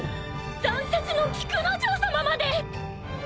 残雪の菊之丞さままで！